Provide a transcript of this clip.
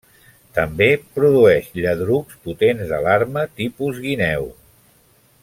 També produeix lladrucs potents d'alarma tipus guineu.